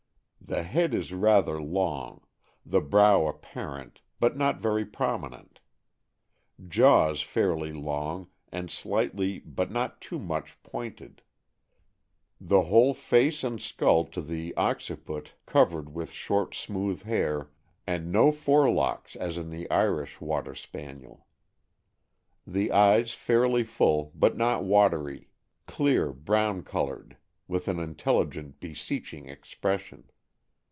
The head is rather long; the brow apparent, but not very prominent; jaws fairly long, and slightly but not too much pointed; the whole face and skull to the occiput covered with short, smooth hair, and no fore lock as in the Irish Water Spaniel. The eyes fairly full, but not watery; clear, brown colored, with an intelligent, beseeching expression.